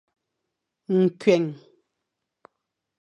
Nkueng.